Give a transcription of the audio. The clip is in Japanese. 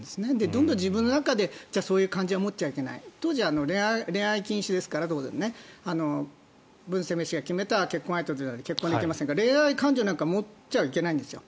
どんどん、自分の中でそういう感情は持っちゃいけない当時は恋愛禁止ですからブン・センメイ氏が決めた相手じゃないと結婚できませんから恋愛感情なんか持っちゃいけないんですよ